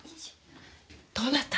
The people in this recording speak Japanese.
どなた？